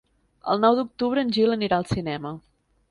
El nou d'octubre en Gil anirà al cinema.